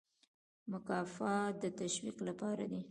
مکافات د تشویق لپاره دي